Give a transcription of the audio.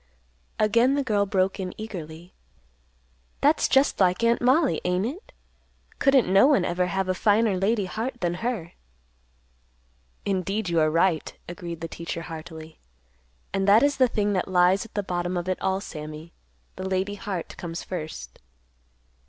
_ Again the girl broke in eagerly, "That's just like Aunt Mollie, ain't it? Couldn't no one ever have a finer lady heart than her." "Indeed, you are right," agreed the teacher heartily. "And that is the thing that lies at the bottom of it all, Sammy. The lady heart comes first."